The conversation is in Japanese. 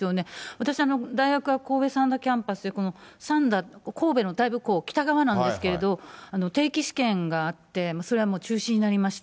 私、大学は神戸三田キャンパスで、この三田、神戸のだいぶ北側なんですけど、定期試験があって、それはもう中止になりました。